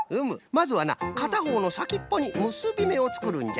まずはなかたほうのさきっぽにむすびめをつくるんじゃ。